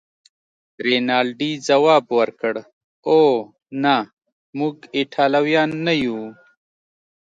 رینالډي ځواب ورکړ: اوه، نه، موږ ایټالویان نه یو.